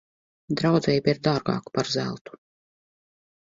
Draudzība ir dārgāka par zeltu.